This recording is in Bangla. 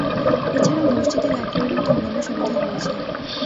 এছাড়া মসজিদে লাইব্রেরির মতো অন্যান্য সুবিধা রয়েছে।